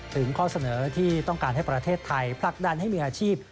ข้อเสนอที่ต้องการให้ประเทศไทยผลักดันให้มีอาชีพ